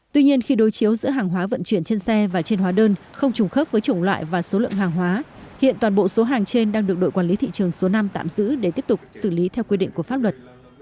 tuy nhiên khi đối chiếu giữa hàng hóa vận chuyển trên xe và trên hóa đơn không trùng khớp với chủng loại và số lượng hàng hóa hiện toàn bộ số hàng trên đang được đội quản lý thị trường số năm tạm giữ để tiếp tục xử lý theo quy định của pháp luật